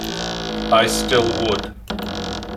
I still would.